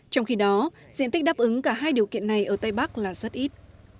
trong khi đó diện tích đáp ứng cả hai điều kiện này ở tây bắc là rất ít